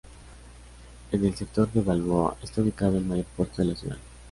En el sector de Balboa está ubicado el mayor puerto de la ciudad.